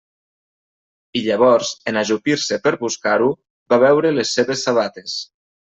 I, llavors, en ajupir-se per buscar-ho, va veure les seves sabates.